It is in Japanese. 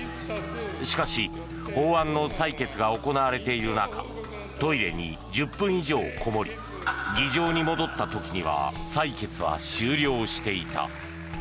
しかし法案の採決が行われている中トイレに１０分以上こもり議場に戻った時には採決は終了していた。